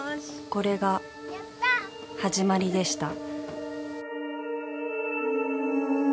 ［これが始まりでした］